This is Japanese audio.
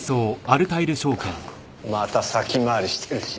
また先回りしてるし。